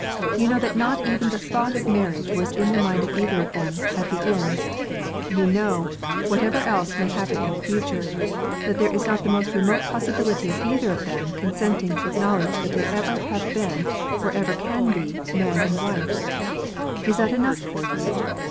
You know that not even the thought of marriage was in the mind of either of them, at the inn. You know whatever else may happen in the future that there is not the most remote possibility of either of them consenting to acknowledge that they ever have been, or ever can be, Man and Wife. Is that enough for you?